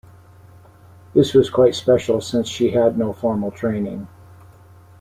This was quite special since she had no formal training.